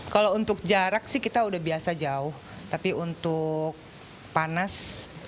kalau untuk jarak sih kita udah biasa jauh tapi untuk panas